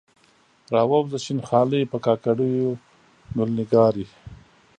راووځه شین خالۍ، په کاکړیو ګل نګارې